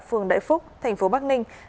phường đại phúc tp bắc ninh